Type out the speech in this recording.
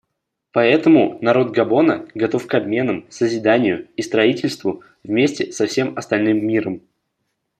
Поэтому народ Габона готов к обменам, созиданию и строительству вместе со всем остальным миром.